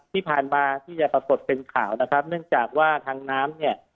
ที่ผ่านมาที่จะปรากฏเป็นข่าวนะครับเนื่องจากว่าทางน้ำเนี่ย